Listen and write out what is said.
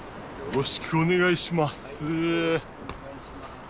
よろしくお願いします。